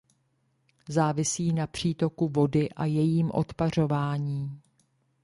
Závisí na přítoku vody a jejím odpařování.